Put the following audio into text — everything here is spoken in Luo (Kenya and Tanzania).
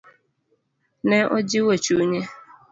Ne ojiwo chunye.